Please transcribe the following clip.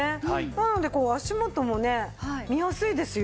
なのでこう足元もね見やすいですよ。